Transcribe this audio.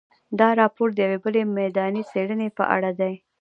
دا راپور د یوې بلې میداني څېړنې په اړه دی.